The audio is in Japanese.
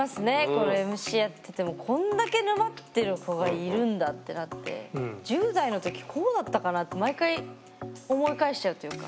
このＭＣやっててもこんだけ沼ってる子がいるんだってなって１０代の時こうだったかな？って毎回思い返しちゃうというか。